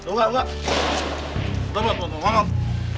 udah pak udah pak